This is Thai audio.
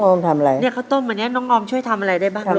ออมทำอะไรเนี่ยข้าวต้มอันนี้น้องออมช่วยทำอะไรได้บ้างลูก